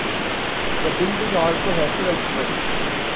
The building also has a restaurant.